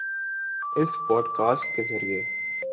اس podcast کے ذریعے